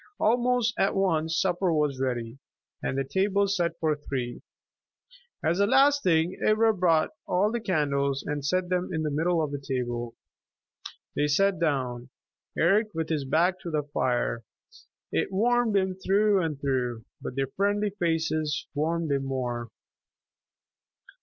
Almost at once supper was ready, and the table set for three. As the last thing, Ivra brought all the candles and set them in the middle of the table. They sat down, Eric with his back to the fire. It warmed him through and through, but their friendly faces warmed him more.